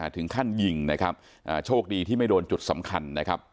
ถึงขั้นยิงนะครับโชคดีที่ไม่โดนจุดสำคัญนะครับ